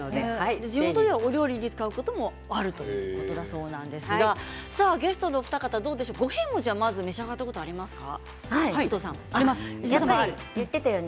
地元ではお料理に使うこともあるということですがゲストのお二方五平餅を召し上がったことはありますか？